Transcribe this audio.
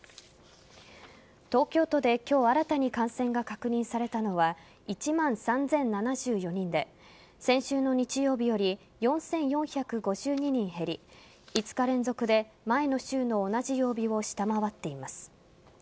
東京都で今日新たに感染が確認されたのは１万３０７４人で先週の日曜日より４４５２人減り５日連続で前の週の同じ曜日を下回っています。